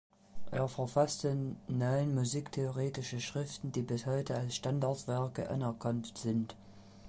Er verfasste neun musiktheoretische Schriften, die bis heute als Standardwerke anerkannt sind.